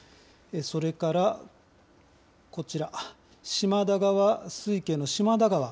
それからこちら、島田川水系の島田川。